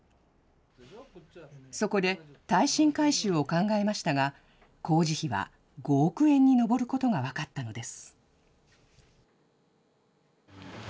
そこで耐震改修を考えましたが、工事費は５億円に上ることが分かったのです。